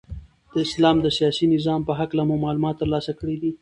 د اسلام د سیاسی نظام په هکله مو معلومات ترلاسه کړی دی.